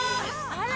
あら！